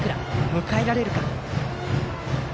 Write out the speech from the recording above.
迎えられるか。